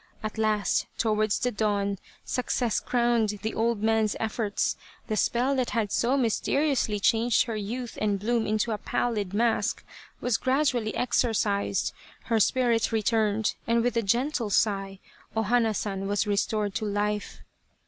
At last, towards the dawn, success crowned the old man's efforts ; the spell that had so mysteri ously changed her youth and bloom into a pallid mask, was gradually exorcised, her spirit returned, and with a gentle sigh, O Hana San was restored to life.